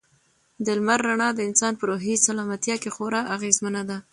د لمر رڼا د انسان په روحي سلامتیا کې خورا اغېزمنه ده.